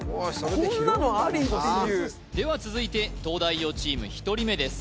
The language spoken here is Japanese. こんなのあり？っていうでは続いて東大王チーム１人目です